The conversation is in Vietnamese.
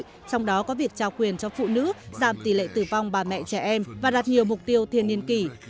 trong đó có việc trao quyền cho phụ nữ giảm tỷ lệ tử vong bà mẹ trẻ em và đạt nhiều mục tiêu thiên niên kỷ